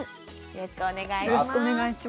よろしくお願いします。